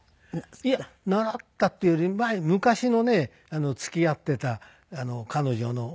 いや習ったというより昔のね付き合っていた彼女の弟がね